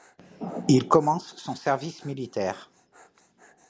Il commence son service militaire.